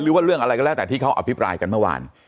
เรื่องอะไรก็แล้วแต่ที่เขาอภิปรายกันเมื่อวาน